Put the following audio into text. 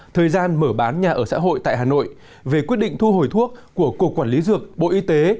thời gian mở bán nhà ở xã hội tại hà nội về quyết định thu hồi thuốc của cục quản lý dược bộ y tế